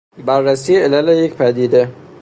بررسی علل یک پدیده